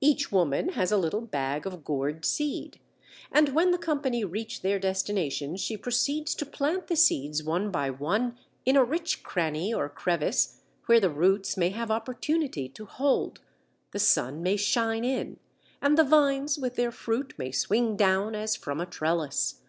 Each woman has a little bag of gourd seed, and when the company reach their destination she proceeds to plant the seeds one by one in a rich cranny or crevice where the roots may have opportunity to hold, the sun may shine in, and the vines with their fruit may swing down as from a trellis.